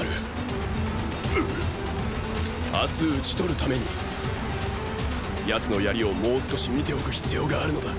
明日討ち取るために奴の槍をもう少し見ておく必要があるのだ！